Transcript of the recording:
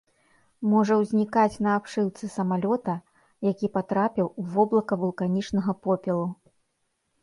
Можа ўзнікаць на абшыўцы самалёта, які патрапіў у воблака вулканічнага попелу.